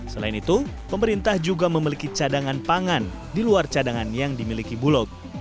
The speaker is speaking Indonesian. selain itu pemerintah juga memiliki cadangan pangan di luar cadangan yang dimiliki bulog